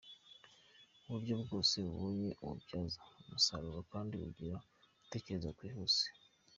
Uburyo bwose abonye abubyaza umusaruro kandi agira gutekereza kwihuse.